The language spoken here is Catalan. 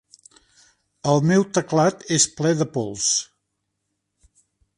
El meu teclat és ple de pols.